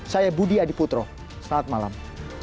saya budi adiputro selamat malam